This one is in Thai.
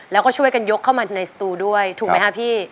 แล้วก็ช่วยกันยกเข้ามาในสตูด้วยถูกไหมคะพี่